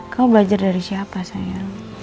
kamu belajar dari siapa sayang